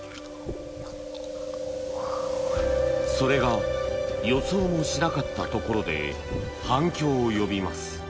それが予想もしなかったところで反響を呼びます。